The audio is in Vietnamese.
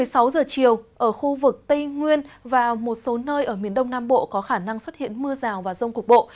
một mươi sáu giờ chiều ở khu vực tây nguyên và một số nơi ở miền đông nam bộ có khả năng xuất hiện mưa rào và rông cục bộ